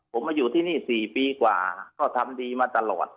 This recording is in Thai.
ผมมาอยู่ที่นี่๔ปีกว่าก็ทำดีมาตลอด